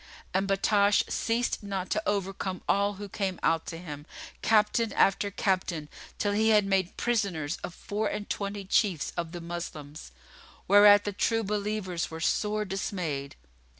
And Battash ceased not to overcome all who came out to him, Captain after Captain till he had made prisoners of four and twenty Chiefs of the Moslems, whereat the True Believers were sore dismayed.